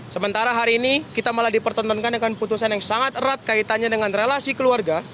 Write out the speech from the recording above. sementara hari ini kita malah dipertontonkan dengan putusan yang sangat erat kaitannya dengan relasi keluarga